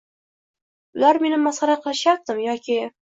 Ular meni masxara qilishayaptimi yoki?